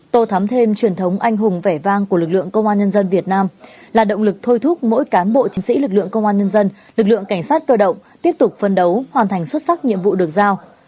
tô thắm thêm truyền thống anh hùng vẻ vang của lực lượng công an nhân dân việt nam là động lực thôi thúc mỗi cán bộ chiến sĩ lực lượng công an nhân dân lực lượng cảnh sát cơ động tiếp tục phân đấu hoàn thành xuất sắc nhiệm vụ được giao